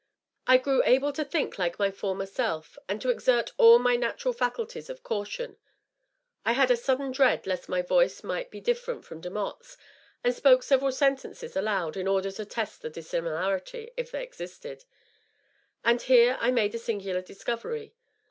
I grew able to think like my former self, and to exert all my natural faculties of caution. I had a sudden dread lest my voice might be dif ferent from Demotte's, and spoke several sentences aloud in order to test the dissimilarity, if any existed. And here I made a singular dis covery.